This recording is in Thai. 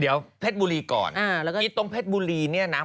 เดี๋ยวเพชรบุรีก่อนที่ตรงเพชรบุรีเนี่ยนะ